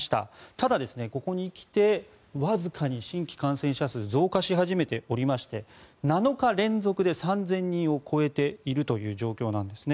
ただ、ここに来てわずかに新規感染者数が増加し始めておりまして７日連続で３０００人を超えているという状況なんですね。